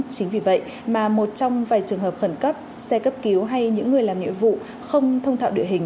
chính vì vậy mà một trong vài trường hợp khẩn cấp xe cấp cứu hay những người làm nhiệm vụ không thông thạo địa hình